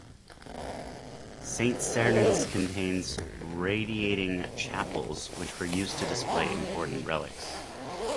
Saint-Sernin's contains radiating chapels which were used to display important relics.